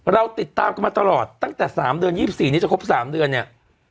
เราติดตามกันมาตลอดตั้งแต่สามเดือนยี่สิบสี่นี้จะครบสามเดือนเนี้ย